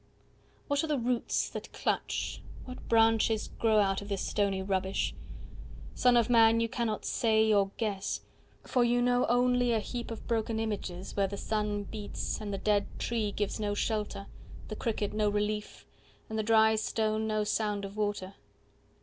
What are the roots that clutch, what branches grow Out of this stony rubbish? Son of man, 20 You cannot say, or guess, for you know only A heap of broken images, where the sun beats, And the dead tree gives no shelter, the cricket no relief, And the dry stone no sound of water.